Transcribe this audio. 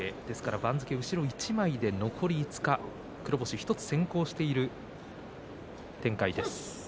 番付後ろ一枚、残り５日黒星１つ先行している展開です。